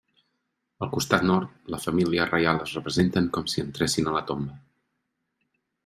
Al costat nord, la Família Reial es representen com si entressin a la tomba.